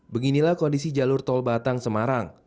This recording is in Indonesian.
beginilah kondisi jalur tol batang semarang